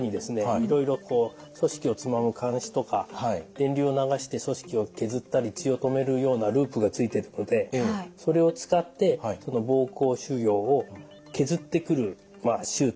いろいろ組織をつまむ鉗子とか電流を流して組織を削ったり血を止めるようなループがついてるのでそれを使って膀胱腫瘍を削ってくる手術ですね。